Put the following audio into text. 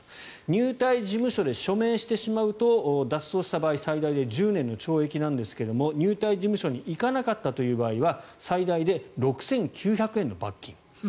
入隊事務所で署名してしまうと脱走した場合最大で１０年の懲役なんですが入隊事務所に行かなかったという場合は最大で６９００円の罰金。